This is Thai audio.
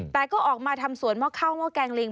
แต่ก็ออกมาทำสวนหม้อข้าวหม้อแกงลิง